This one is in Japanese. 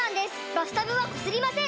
バスタブはこすりません！